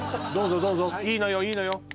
どうぞどうぞいいのよいいのよ